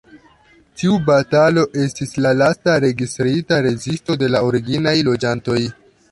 Tiu batalo estis la lasta registrita rezisto de la originaj loĝantoj.